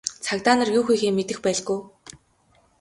Цагдаа нар юу хийхээ мэдэх байлгүй.